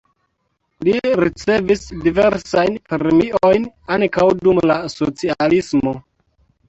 Li ricevis diversajn premiojn ankaŭ dum la socialismo.